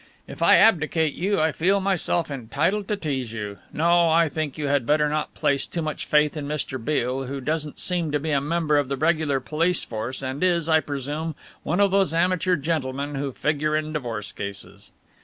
If I abdicate you I feel myself entitled to tease you. No, I think you had better not place too much faith in Mr. Beale, who doesn't seem to be a member of the regular police force, and is, I presume, one of those amateur gentlemen who figure in divorce cases."